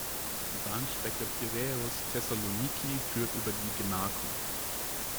Die Bahnstrecke Piräus–Thessaloniki führt über die Gemarkung.